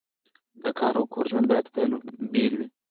د کار او کور ژوند باید بیل وي.